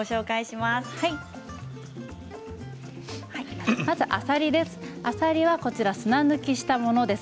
まずあさりです。